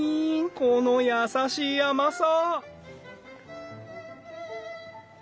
この優しい甘さ！